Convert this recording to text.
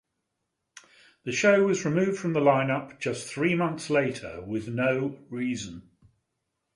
The show was removed from the line-up just three months later, with no reason.